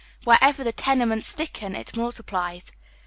Wherever the tenements thicken, it multiplies.